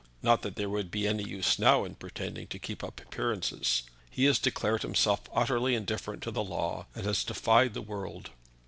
Not that there would be any use now in pretending to keep up appearances. He has declared himself utterly indifferent to the law, and has defied the world.